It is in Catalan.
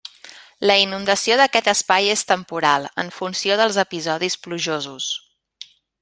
La inundació d'aquest espai és temporal, en funció dels episodis plujosos.